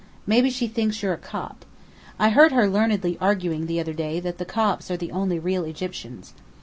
Maybe she thinks you're a Copt. I heard her learnedly arguing the other day that the Copts are the only real Egyptians.